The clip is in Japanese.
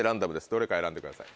どれか選んでください。